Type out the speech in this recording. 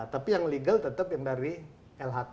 tapi yang legal tetap yang dari lhk